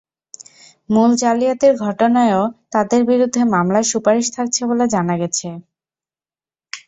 মূল জালিয়াতির ঘটনায়ও তাঁদের বিরুদ্ধে মামলার সুপারিশ থাকছে বলে জানা গেছে।